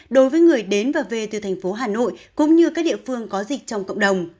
đối với người đến và về từ thành phố hà nội cũng như các địa phương có dịch trong cộng đồng